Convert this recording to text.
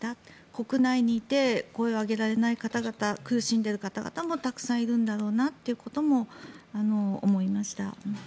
国内にいて声を上げられない方々苦しんでいる方々もたくさんいるんだろうなということも思いました。